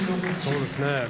そうですね。